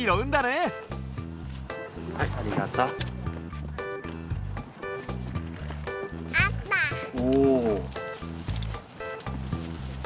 ありがとう。